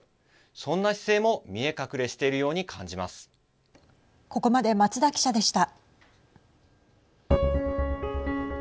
そんな姿勢も見え隠れしているようにここまで、松田記者でした。